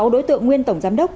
sáu đối tượng nguyên tổng giám đốc